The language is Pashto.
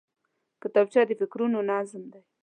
کتابچه د فکرونو نظم دی